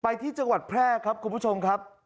ที่จังหวัดแพร่ครับคุณผู้ชมครับ